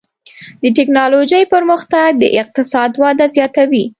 د ټکنالوجۍ پرمختګ د اقتصاد وده زیاتوي.